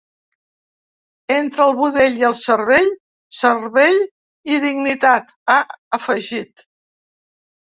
Entre el budell i el cervell, cervell i dignitat, ha afegit.